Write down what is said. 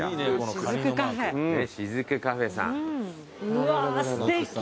うわあすてき！